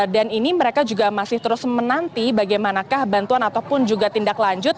dan ini mereka juga masih terus menanti bagaimanakah bantuan ataupun juga tindak lanjut